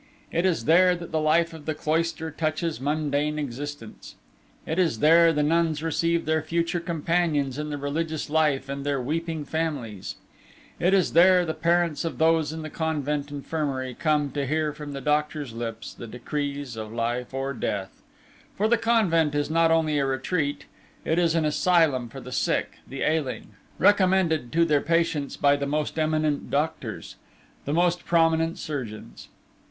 It is there that the life of the cloister touches mundane existence; it is there the nuns receive their future companions in the religious life and their weeping families; it is there the parents of those in the convent infirmary come to hear from the doctor's lips the decrees of life or death; for the convent is not only a retreat, it is an asylum for the sick, the ailing, recommended to their patients by the most eminent doctors, the most prominent surgeons.